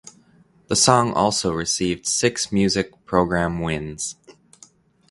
The song also received six music program wins.